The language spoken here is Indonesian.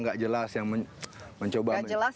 nggak jelas yang mencoba nggak jelas